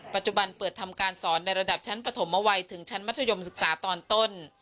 ปัจจุบันเปิดทำการสอนในระดับชั้นปฐมวัยถึงชั้นมัธยมศึกษาตอนต้น